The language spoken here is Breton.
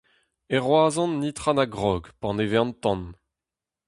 E Roazhon netra na grog, paneve an tan.